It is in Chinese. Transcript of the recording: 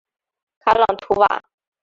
卡朗图瓦。